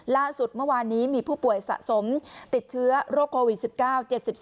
ล่าสุดเมื่อวานนี้มีผู้ป่วยสะสมติดเชื้อโรคโควิด๑๙๗๒